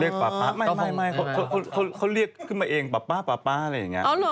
ป๊าป๊าไม่เขาเรียกขึ้นมาเองป๊าป๊าป๊าอะไรอย่างนี้